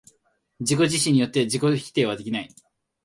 自己自身によって自己否定はできない。